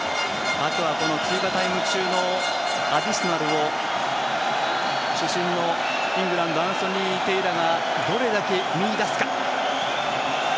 あとは追加タイム中のアディショナルを主審のイングランドアンソニー・テイラーがどれだけ見いだすか。